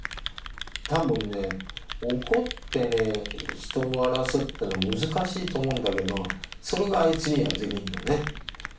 多分ね怒ってね人を笑わすっていうのは難しいと思うんだけどそれがあいつにはできるのね。